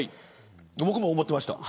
僕も思っていました。